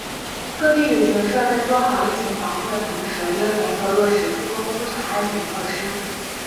各地旅行社在做好疫情防控的同时应严格落实复工复产安全措施